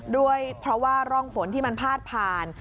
ด้วยเพราะว่าร่องฝนที่มันพาดผ่าน